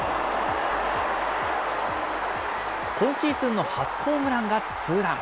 今シーズンの初ホームランがツーラン。